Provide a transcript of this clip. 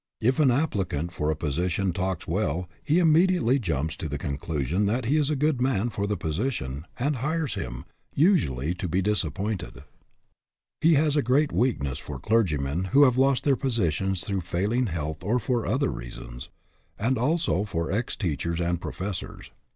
If an applicant for a position talks well, he immediately jumps to the conclusion that he is a good man for the position, and hires him, usually to be disappointed. He SIZING UP PEOPLE 199 has a great weakness for clergymen who have lost their positions through failing health or for other reasons, and also for ex teachers and professors.